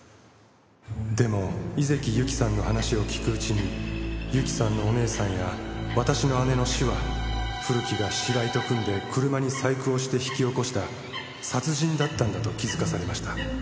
「でも井関ゆきさんの話を聞くうちにゆきさんのお姉さんや私の姉の死は古木が白井と組んで車に細工をして引き起こした殺人だったんだと気づかされました」